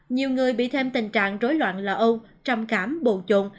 nhiều người bị thêm tình trạng rối loạn lò âu trầm cảm bồ trộn